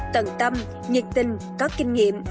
tận tâm nhiệt tình có kinh nghiệm